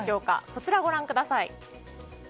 こちらをご覧ください。